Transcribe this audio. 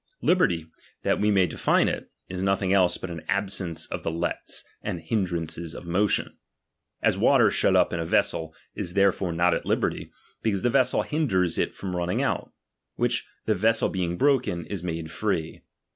Liberty, that we may define it, is nothing else but an absence of the lets and hin drances of motion ; as water shut up in a vessel is therefore not at liberty, because the vessel hin ders it from running out ; which, the vessel being broken, is made/ree.